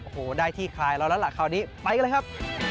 โอ้โหได้ที่คลายเราแล้วล่ะคราวนี้ไปกันเลยครับ